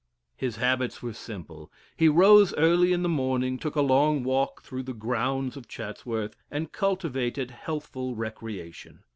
His habits were simple; he rose early in the morning, took a long walk through the grounds of Chatsworth, and cultivated healthful recreation.